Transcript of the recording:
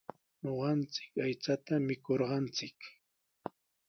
Ñuqanchik aychata mikurqanchik.